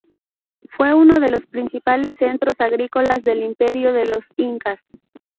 Fue uno de los principales centros agrícolas del Imperio de los Incas.